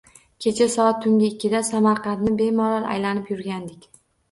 Kecha soat tungi ikkida Samarqandni bemalol aylanib yurgandik.